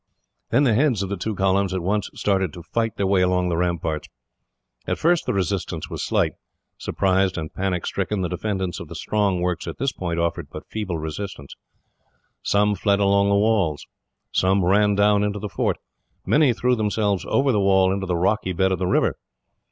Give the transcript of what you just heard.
Then the heads of the two columns at once started to fight their way along the ramparts. At first the resistance was slight. Surprised and panic stricken, the defenders of the strong works at this point offered but a feeble resistance. Some fled along the walls. Some ran down into the fort. Many threw themselves over the wall into the rocky bed of the river.